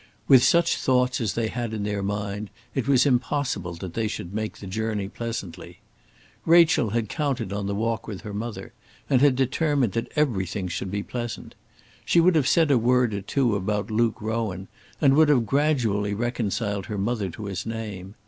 With such thoughts as they had in their mind it was impossible that they should make the journey pleasantly. Rachel had counted on the walk with her mother, and had determined that everything should be pleasant. She would have said a word or two about Luke Rowan, and would have gradually reconciled her mother to his name.